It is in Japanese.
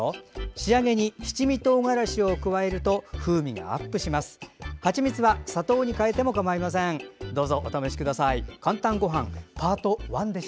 仕上げに七味とうがらしを加えると風味がアップします。